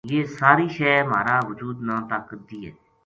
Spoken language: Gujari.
یہ ساری شے مھارا وجود نا طاقت دیئے